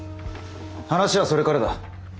話はそれからだ。